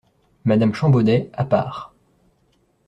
Madame Champbaudet , à part.